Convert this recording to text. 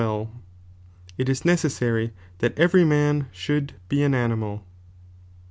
l « 1 1 is necessary that every man should be an animal.